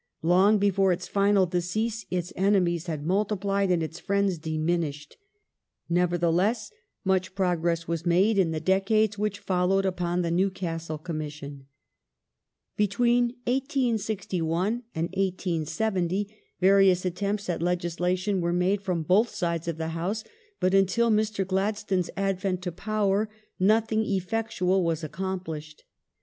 Long before its final decease its enemies had multiplied and its friends diminished. Nevertheless, much progress was made in the decades which followed upon the Newcastle Commission. Between 1861 and 1870 various attempts at legislation were made from both sides of the House, but until Mr. Gladstone's ad vent to power, nothing effectual was accomplished.